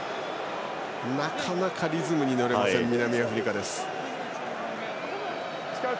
なかなかリズムに乗れない南アフリカ。